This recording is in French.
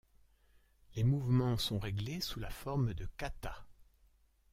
Les mouvements sont réglés sous la forme de katas.